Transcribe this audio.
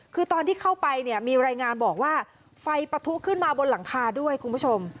คือตอนที่เข้าไปเนี่ยมีรายงานบอกว่าไฟปะทุขึ้นมาบนหลังคาด้วยคุณผู้ชม